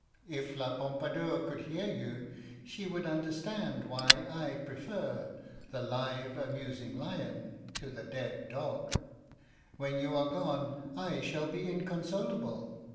"If La Pompadour could hear you, she would understand why I prefer the live amusing lion to the dead dog. When you are gone, I shall be inconsolable.